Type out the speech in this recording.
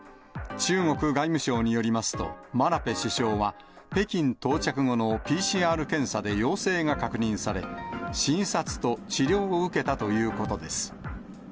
中国外務省によりますと、マラペ首相は北京到着後のＰＣＲ検査で陽性が確認され、診察と治療を受けたということです。